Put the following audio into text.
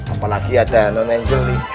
apalagi ada nan anjeli